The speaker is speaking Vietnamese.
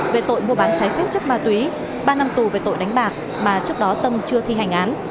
về tội mua bán trái phép chất ma túy ba năm tù về tội đánh bạc mà trước đó tâm chưa thi hành án